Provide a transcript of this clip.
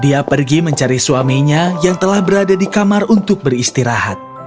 dia pergi mencari suaminya yang telah berada di kamar untuk beristirahat